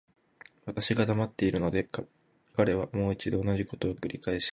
私が黙っているので、彼はもう一度同じことを繰返した。